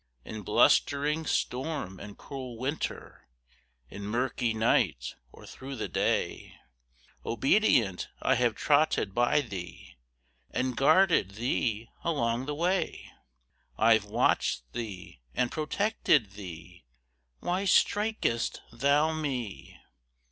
In blustering storm and cruel Winter, In murky night or through the day, Obedient I have trotted by thee And guarded thee along the way. I've watched thee and protected thee: Why strik'st thou me?